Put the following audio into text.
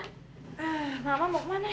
eh mama mau kemana